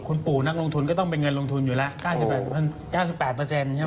คุณปู่นักลงทุนก็ต้องเป็นเงินลงทุนอยู่แล้ว๙๘ใช่ไหม